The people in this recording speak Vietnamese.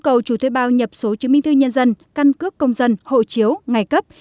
số chứng minh thư nhân dân căn cướp công dân hộ chiếu ngày cấp